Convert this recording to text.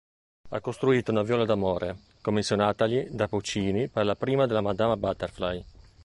Ha costruito una viola d'amore, commissionatagli da Puccini per la prima della Madama Butterfly.